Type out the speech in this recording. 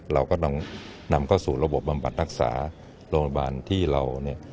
เราก็ต้องนำเข้าสู่ระบบบำบัดรักษาโรงพยาบาลที่เราเนี่ย